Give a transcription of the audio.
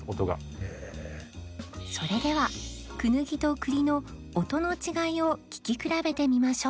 それではクヌギと栗の音の違いを聞き比べて見ましょう